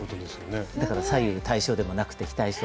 だから左右対称でもなくて非対称。